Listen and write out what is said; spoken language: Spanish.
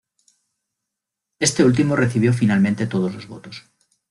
Este último recibió finalmente todos los votos.